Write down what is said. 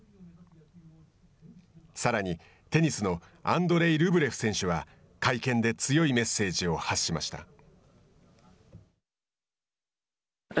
さらに、テニスのアンドレイ・ルブレフ選手は会見で、強いメッセージを発しました。